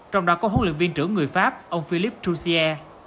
trong đó có huấn luyện viên trưởng người pháp ông philippe jouzier